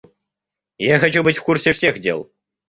Я хочу быть в курсе всех дел.